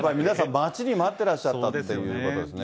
待ちに待ってらっしゃったということですよね。